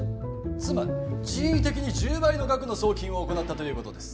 つまり人為的に１０倍の額の送金を行ったということです